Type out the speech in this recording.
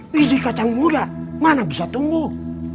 biji kacang murah mana bisa tumbuh